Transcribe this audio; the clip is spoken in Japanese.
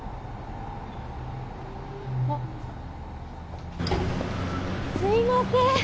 あっすいません